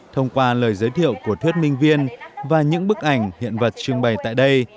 thông qua lời giới thiệu của thuyết minh viên và những bức ảnh hiện vật trưng bày tại đây